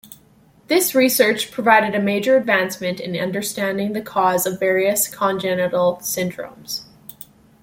This research provided a major advancement in understanding the cause of various congenital syndromes.